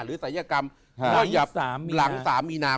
หรือสัยกรรมหลัง๓มีนาคม